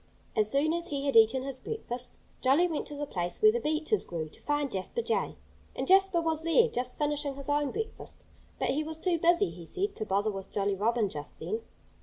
As soon as he had eaten his breakfast, Jolly went to the place where the beeches grew, to find Jasper Jay. And Jasper was there, just finishing his own breakfast. But he was too busy, he said, to bother with Jolly Robin just then.